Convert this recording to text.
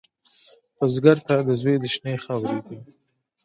بزګر ته زوی د شنې خاورې دی